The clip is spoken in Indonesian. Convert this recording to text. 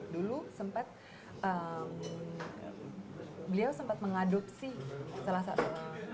dulu sempat beliau sempat mengadopsi salah satu